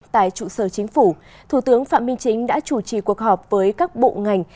tại trụ sở chính phủ thủ tướng phạm minh chính đã chủ trì cuộc họp với các bộ ngành